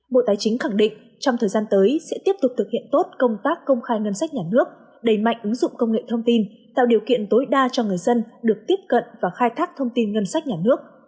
bộ tài chính khẳng định trong thời gian tới sẽ tiếp tục thực hiện tốt công tác công khai ngân sách nhà nước đầy mạnh ứng dụng công nghệ thông tin tạo điều kiện tối đa cho người dân được tiếp cận và khai thác thông tin ngân sách nhà nước